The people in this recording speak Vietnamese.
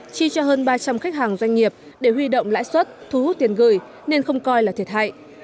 chi cho hơn ba trăm linh khách hàng doanh nghiệp để huy động lãi suất thu hút tiền gửi nên không coi là thiệt hại